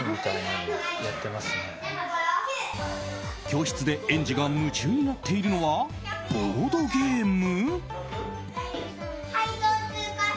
教室で園児が夢中になっているのはボードゲーム？